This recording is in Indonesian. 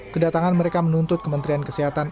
kedatangan mereka menuntut kementerian kesehatan